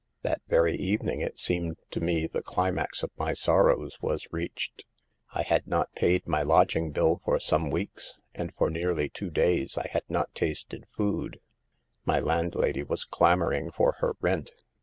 "'That very evening it seemed to me the climax of my sorrows was reached. I had not paid my lodging bill for some weeks, and for nearly two days I had not tasted food ; my landlady was clamoring for her rent.